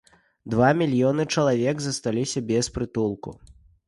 Два мільёны чалавек засталіся без прытулку.